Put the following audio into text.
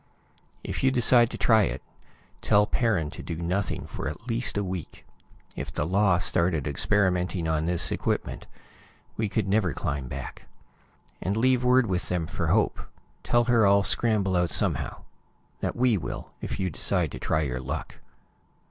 If you decide to try it, tell Perrin to do nothing for at least a week. If the law started experimenting on this equipment, we never could climb back. And leave word with them for Hope; tell her I'll scramble out somehow that we will, if you decide to try your luck.